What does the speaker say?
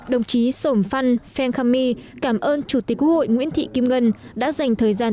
đồng chí sổm phăn phen kham my cảm ơn chủ tịch quốc hội nguyễn thị kim ngân đã dành thời gian